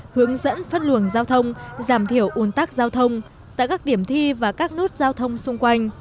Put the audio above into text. hướng dẫn phân luồng giao thông giảm thiểu un tắc giao thông tại các điểm thi và các nút giao thông xung quanh